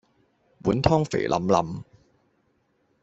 碗湯肥淋淋